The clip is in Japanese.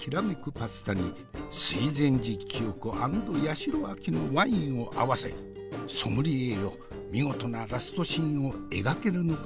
パスタに水前寺清子＆八代亜紀のワインを合わせソムリエよ見事なラストシーンを描けるのか？